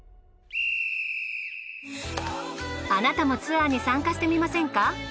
あなたもツアーに参加してみませんか。